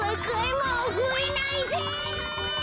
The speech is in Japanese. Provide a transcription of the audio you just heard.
もうふえないで！